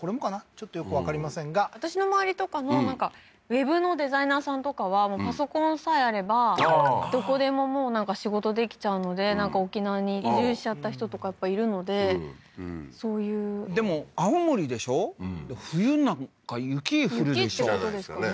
ちょっとよくわかりませんが私の周りとかもウェブのデザイナーさんとかはパソコンさえあればどこでも仕事できちゃうので沖縄に移住しちゃった人とかやっぱいるのでそういうでも青森でしょ？冬なんか雪降るでしょ雪ってことですかね